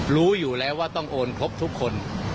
รู้อยู่แล้วว่าต้องโอนครบทุกคน